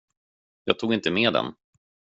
Jag tog inte med den.